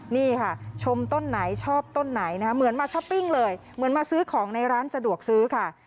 นี่ค่ะชมต้นไหนชอบต้นไหนนะคะเหมือนมาช้อปปิ้งเลยเหมือนมาซื้อของในร้านสะดวกซื้อค่ะ